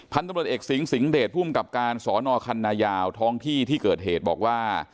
พันธุรกิจเอกสิงห์สิงห์เดชพูดกับการสคัณะยาวท้องที่ที่เกิดเหตุบอกว่า